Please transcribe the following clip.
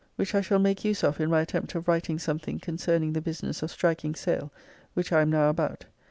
Which I shall make use of in my attempt of writing something concerning the business of striking sail, which I am now about.